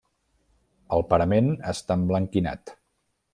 El parament està emblanquinat.